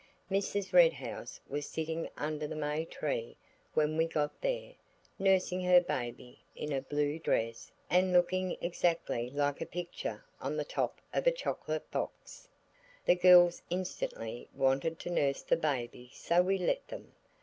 Mrs. Red House was sitting under the may tree when we got there, nursing her baby, in a blue dress and looking exactly like a picture on the top of a chocolate box. The girls instantly wanted to nurse the baby so we let them.